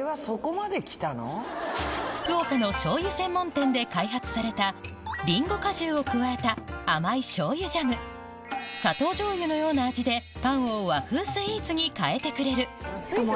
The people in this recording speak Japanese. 福岡の醤油専門店で開発されたりんご果汁を加えた甘い醤油ジャム砂糖醤油のような味で教えて。